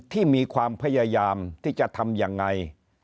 ที่มีความพยายามที่จะทำยังไง